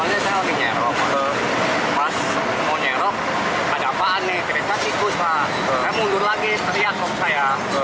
dia mundur lagi teriak orang saya